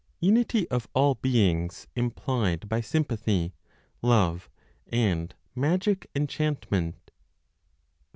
UNITY OF ALL BEINGS IMPLIED BY SYMPATHY, LOVE, AND MAGIC ENCHANTMENT.